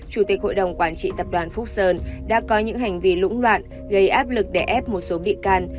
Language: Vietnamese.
chủ tịch hội đồng quản trị tập đoàn phúc sơn đã có những hành vi lũng loạn gây áp lực để ép một số bị can